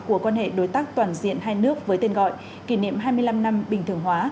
của quan hệ đối tác toàn diện hai nước với tên gọi kỷ niệm hai mươi năm năm bình thường hóa